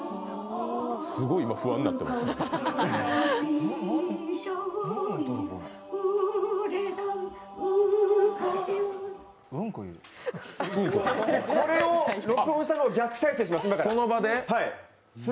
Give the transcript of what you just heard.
すごい今、不安になってる。